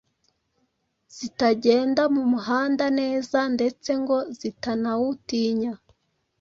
zitagenda mu muhanda neza ndetse ngo zitanawutinya.